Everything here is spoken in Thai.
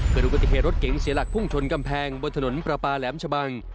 เกิดอุบัติเหตุรถเก๋งเสียหลักพุ่งชนกำแพงบนถนนประปาแหลมชะบัง